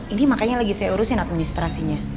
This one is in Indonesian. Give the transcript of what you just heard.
ini makanya lagi saya urusin administrasinya